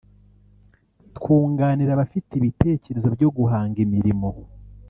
twunganira abafite ibitekerezo byo guhanga imirimo »